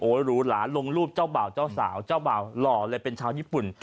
หรูหลาลงรูปเจ้าบ่าวเจ้าสาวเจ้าบ่าวหล่อเลยเป็นชาวญี่ปุ่น